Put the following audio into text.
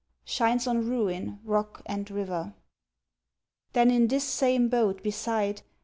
Shines on ruin, rock, and river. Then in this same boat beside.